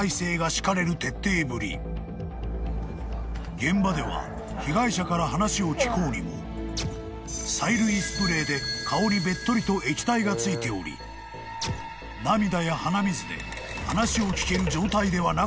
［現場では被害者から話を聞こうにも催涙スプレーで顔にべっとりと液体が付いており涙や鼻水で］